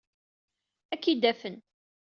Ad k-id-afen.